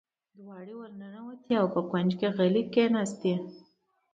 دواړې ور ننوتې او په کونج کې غلې کېناستې.